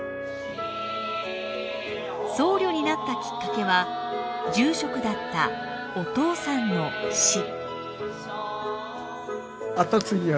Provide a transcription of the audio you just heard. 僧侶になったきっかけは住職だったお父さんの死。